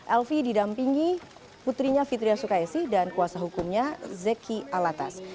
elvi didampingi putrinya fitria sukaisi dan kuasa hukumnya zeki alatas